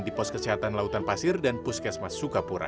di pos kesehatan lautan pasir dan puskesmas sukapura